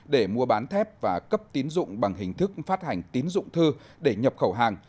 để mua bán thép và cấp tín dụng bằng hình thức phát hành tín dụng thư để nhập khẩu hàng